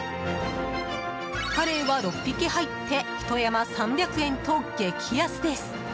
カレイは６匹入って１山３００円と激安です。